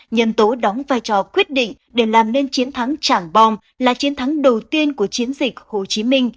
nhân tố đóng vai trò quyết định để làm nên chiến thắng chẳng bom là chiến thắng đầu tiên của chiến dịch hồ chí minh